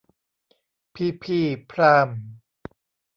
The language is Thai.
พีพี ไพร์ม